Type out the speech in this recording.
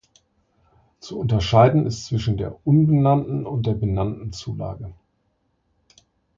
Zu unterscheiden ist zwischen der unbenannten und benannten Zulage.